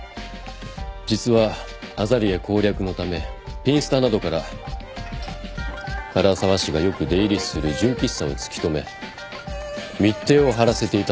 実はＡＺＡＬＥＡ攻略のためピンスタなどから唐澤氏がよく出入りする純喫茶を突き止め密偵を張らせていたところ。